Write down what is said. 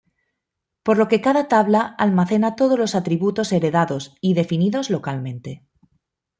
Por lo que cada tabla almacena todos los atributos heredados y definidos localmente.